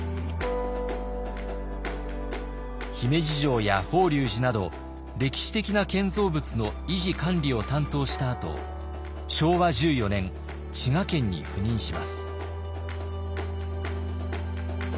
姫路城や法隆寺など歴史的な建造物の維持管理を担当したあと昭和１４年滋賀県に赴任します。